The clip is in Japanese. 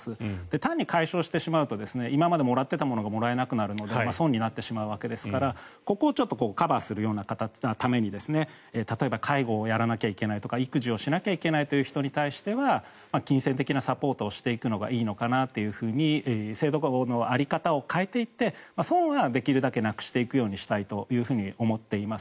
単に解消してしまうと今までもらっていたものがもらえなくなるので損になってしまうわけですからここをカバーするために例えば介護をやらなきゃいけないとか育児をしなきゃいけないという人に対しては金銭的なサポートをしていくのがいいのかなと制度の在り方を変えていって損はできるだけなくしていくようにしたいと思っています。